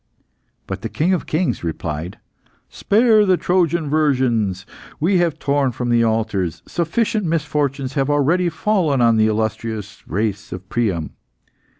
But the king of kings replied "Spare the Trojan virgins we have torn from the altars. Sufficient misfortunes have already fallen on the illustrious race of Priam."